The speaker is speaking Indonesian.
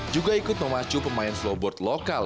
juga ikut memacu pemain flowboard lokal